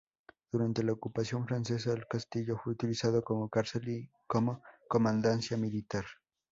Durante la ocupación francesa el castillo fue utilizado como cárcel y como comandancia militar.